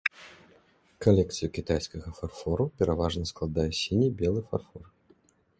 Калекцыю кітайскага фарфору пераважна складае сіне-белы фарфор.